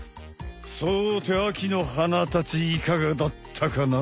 さて秋の花たちいかがだったかな？